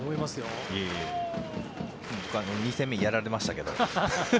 僕は２戦目にやられましたけど。